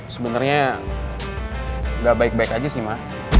sebenernya gak baik baik aja sih ma